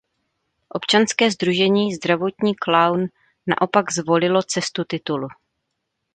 Občanské sdružení Zdravotní Klaun naopak zvolilo cestu titulu.